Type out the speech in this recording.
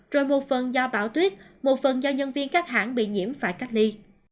rồi một phần do bão tuyết một phần do nhân viên các hãng bị nhiễm phải cách ly